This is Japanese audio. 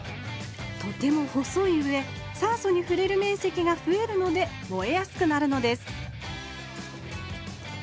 とても細いうえ酸素にふれるめんせきがふえるので燃えやすくなるのです